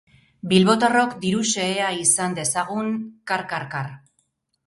Bilbotarrok diru xehea izan dezagun, kar-kar-kar...